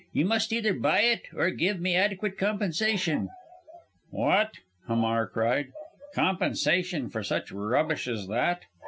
You must either buy it or give me adequate compensation." "What!" Hamar cried, "compensation for such rubbish as that?